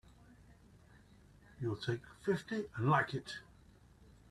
You'll take fifty and like it!